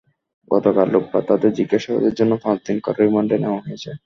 গতকাল রোববার তাঁদের জিজ্ঞাসাবাদের জন্য পাঁচ দিন করে রিমান্ডে নেওয়া হয়েছে।